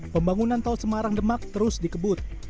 pembangunan tol semarang demak terus dikebut